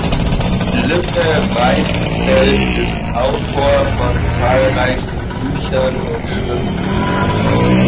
Lippe-Weißenfeld ist Autor von zahlreichen Büchern und Schriften.